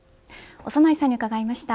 長内さんに伺いました。